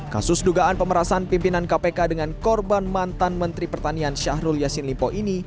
kasus dugaan pemerasan pimpinan kpk dengan korban mantan menteri pertanian syahrul yassin limpo ini